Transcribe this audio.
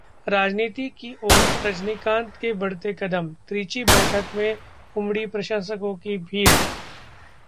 राजनीति की ओर रजनीकांत के बढ़ते कदम, त्रिची बैठक में उमड़ी प्रशंसकों की भीड़!